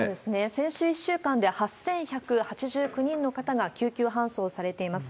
先週１週間で８１８９人の方が救急搬送されています。